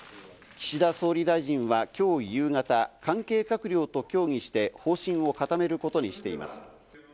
岸田総理大臣は今日夕方、関係閣僚と協議して方針を固めることにしています。